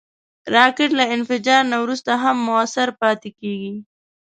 راکټ له انفجار نه وروسته هم مؤثر پاتې کېږي